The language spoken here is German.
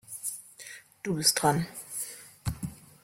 Du bist dran.